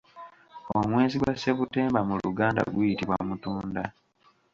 Omwezi gwa September mu luganda guyitibwa Mutunda.